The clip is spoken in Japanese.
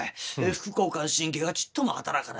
副交感神経がちっとも働かないよ。